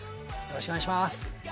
よろしくお願いします。